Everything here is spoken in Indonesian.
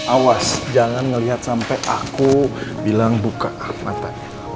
awas jangan ngelihat sampe aku bilang buka mata